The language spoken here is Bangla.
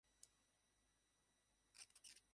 এটা একটা প্রামাণ্যচিত্র বানানোর কথা ছিলো না?